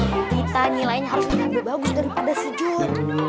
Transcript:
kita nilainya harus lebih bagus daripada si jun